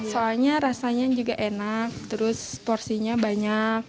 soalnya rasanya juga enak terus porsinya banyak